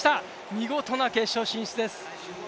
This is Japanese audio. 見事な決勝進出です！